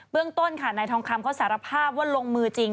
แต่นายทองคำนายทองคำเขาสารภาพว่าลงมือจริง